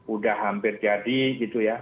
udah hampir jadi gitu ya